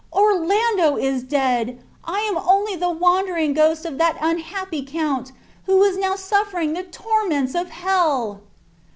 Orlando is dead! I am only the wandering ghost of that unhappy Count, who is now suffering the torments of hell!"